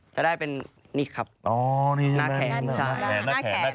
จะได้เป็นนี่ครับหน้าแขนใช่แขนหน้าแขน